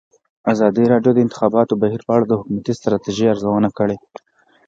ازادي راډیو د د انتخاباتو بهیر په اړه د حکومتي ستراتیژۍ ارزونه کړې.